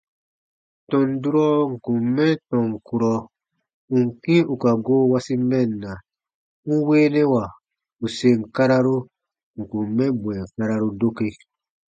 Tɔn durɔ ǹ kun mɛ tɔn kurɔ ù n kĩ ù ka goo wasi mɛnna, n weenɛwa ù sèn kararu ǹ kun mɛ bwɛ̃ɛ kararu doke.